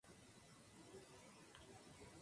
Cerró así un debate que duró once años.